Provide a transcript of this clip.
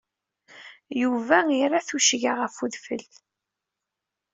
Yuba ira tuccga ɣef udfel.